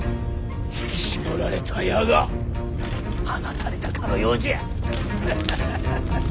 引き絞られた矢が放たれたかのようじゃ。ハハハハハハハ。